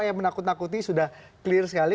yang menakut nakuti sudah clear sekali